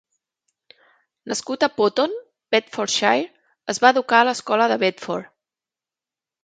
Nascut a Potton, Bedfordshire, es va educar a l'escola de Bedford.